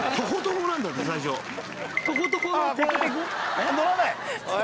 あっ乗らない？